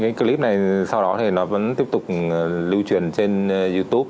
cái clip này sau đó thì nó vẫn tiếp tục lưu truyền trên youtube